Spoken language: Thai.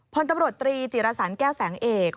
พลตำรวจตรีจิรสันแก้วแสงเอก